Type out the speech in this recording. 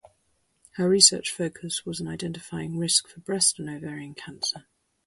Her research focus was on identifying risk for breast and ovarian cancer.